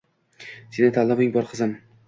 Seni tanloving bor qizim